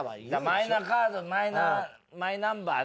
マイナカードマイナンバーね。